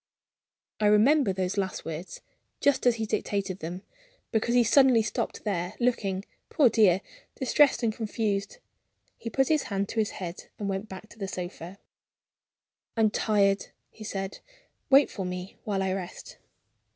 I remember those last words, just as he dictated them, because he suddenly stopped there; looking, poor dear, distressed and confused. He put his hand to his head, and went back to the sofa. "I'm tired," he said. "Wait for me while I rest."